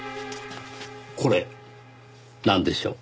これなんでしょう？